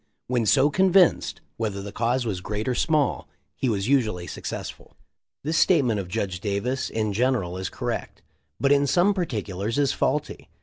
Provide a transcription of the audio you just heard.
When so convinced, whether the cause was great or small he was usually successful."* This statement of Judge Davis in general is cor rect, but in some particulars is faulty.